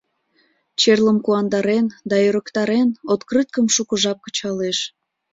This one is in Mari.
Черлым куандарен да ӧрыктарен, открыткым шуко жап кычалеш.